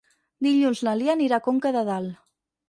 Dilluns na Lia anirà a Conca de Dalt.